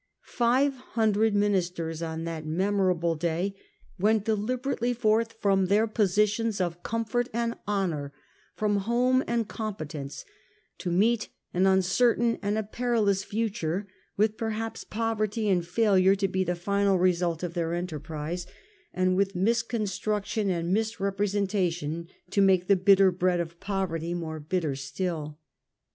Five hundred ministers on that memorable day went deliberately forth from 1843. THE SECESSION. 223 their positions of comfort and honour, from home and competence, to meet an uncertain and a perilous future, with perhaps poverty and failure to be the final result of their enterprise, and with misconstruc tion and misrepresentation to make the bitter bread of poverty more bitter still.